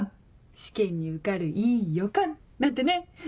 試験に受かる「いい予感」なんてね。